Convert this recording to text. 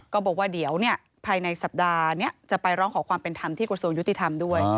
ก็บอกว่าเดี๋ยวภายในสัปดาห์นี้จะไปร้องขอความเป็นธรรมที่กระทรวงยุติธรรมด้วย